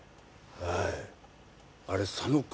はい。